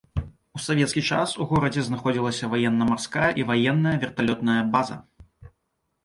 У савецкі час у горадзе знаходзіліся ваенна-марская і ваенная верталётная база.